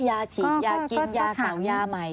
ยาฉีดยากินยาเก่ายาใหม่